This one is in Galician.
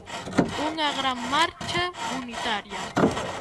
Unha gran marcha unitaria.